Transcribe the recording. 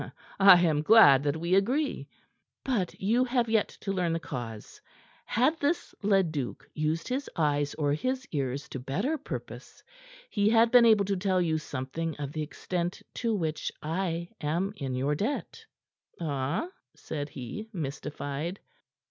"I am glad that we agree." "But you have yet to learn the cause. Had this Leduc used his eyes or his ears to better purpose, he had been able to tell you something of the extent to which I am in your debt." "Ah?" said he, mystified.